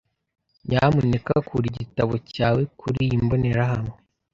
Nyamuneka kura igitabo cyawe kuriyi mbonerahamwe.